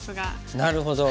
なるほど。